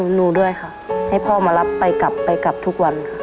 หนูด้วยค่ะให้พ่อมารับไปกลับไปกลับทุกวันค่ะ